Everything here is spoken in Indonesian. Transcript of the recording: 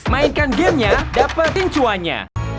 mainkan gamenya dapet incuannya